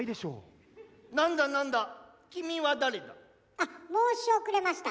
あっ申し遅れました。